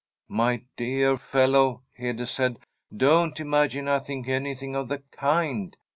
'* My dear fellow,' Hede said, ' don't imagine I think anything of the kind.